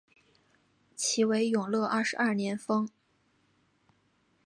其为永乐二十二年封。